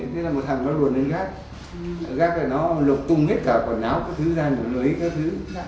thế là một thằng nó luồn lên ga ga là nó lục tung hết cả quần áo cái thứ da cái thứ